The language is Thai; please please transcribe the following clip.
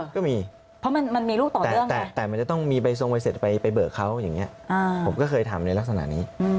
มันมีรูปนั้นแต่จะต้องมีไปส่งติดไปไปเบาเขาอย่างนี้